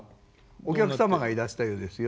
お客様がいらしたようですよ。